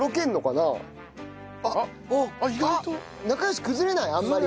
なかよし崩れないあんまり。